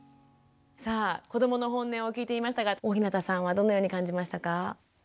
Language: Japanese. さあ子どもの本音を聞いてみましたが大日向さんはどのように感じましたか？